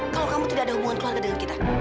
kalau kamu tidak ada hubungan keluarga dengan kita